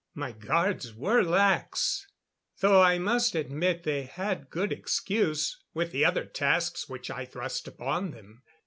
My guards were lax though I must admit they had good excuse, with the other tasks which I thrust upon them....